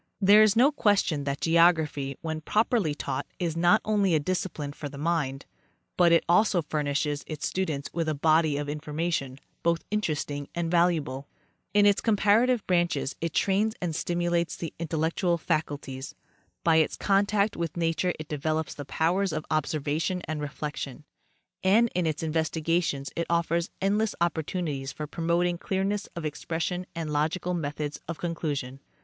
There is no question that geography, when properly taught, is not only a discipline for the mind, but it also furnishes its stu dents with a body of information both interesting and valuable. 202 A. W. Greely—Annual Address. In its comparative branches it trains and stimulates the intel lectual faculties; by its contact with nature it develops the powers of observation and reflection, and in its investigations it offers endless opportunities for promoting clearness of expression and logical methods of conclusion.